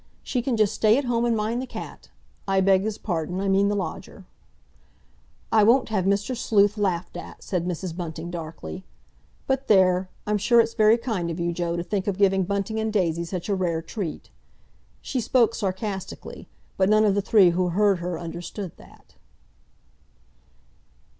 She can just stay at home and mind the cat—I beg his pardon, I mean the lodger!" "I won't have Mr. Sleuth laughed at," said Mrs. Bunting darkly. "But there! I'm sure it's very kind of you, Joe, to think of giving Bunting and Daisy such a rare treat"—she spoke sarcastically, but none of the three who heard her understood that.